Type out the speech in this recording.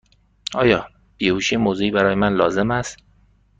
آیا بیهوشی موضعی برای من لازم است؟